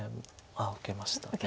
受けました。